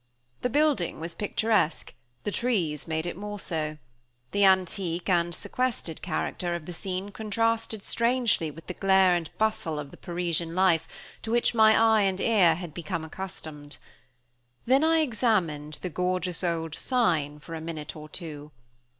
The building was picturesque; the trees made it more so. The antique and sequestered character of the scene contrasted strangely with the glare and bustle of the Parisian life, to which my eye and ear had become accustomed. Then I examined the gorgeous old sign for a minute or two.